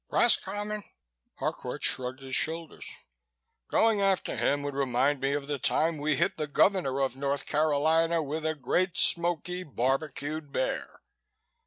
"Roscommon?" Harcourt shrugged his shoulders. "Going after him would remind me of the time we hit the Governor of North Carolina with a Great Smoky barbecued bear.